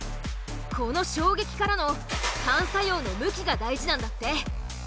この衝撃からの反作用の向きが大事なんだって。